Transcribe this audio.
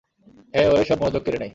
হ্যাঁ, ওরাই সব মনোযোগ কেড়ে নেয়।